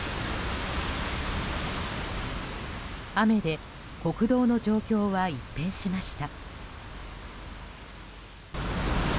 雨で国道の状況は一変しました。